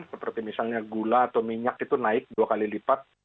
seperti misalnya gula atau minyak itu naik dua kali lipat